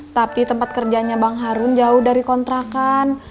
tapi tempat kerjanya bang harun jauh dari kontrakan